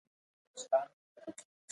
زما په مرګ دي خوشالي